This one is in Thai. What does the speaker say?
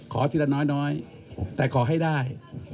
ขอทีละน้อยแต่ขอให้ได้